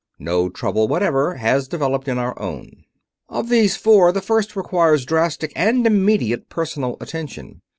No trouble whatever has developed in our own. "Of these four, the first requires drastic and immediate personal attention.